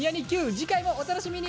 次回もお楽しみに！